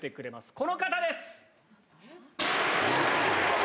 この方です。